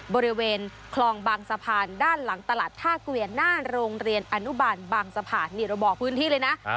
บริเวณคลองบางสะพานด้านหลังตลาดท่าเกวียนหน้าโรงเรียนอนุบาลบางสะพานนี่เราบอกพื้นที่เลยนะ